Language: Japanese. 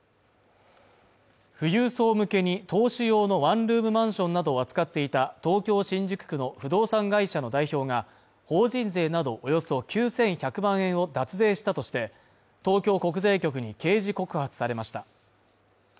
富裕層向けに投資用のワンルームマンションなどを扱っていた東京・新宿区の不動産会社の代表が、法人税などおよそ９１００万円を脱税したとして、東京国税局に刑事告発されました。